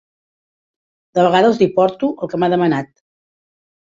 De vegades li porto el que m'ha demanat.